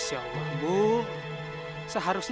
ibu dari mana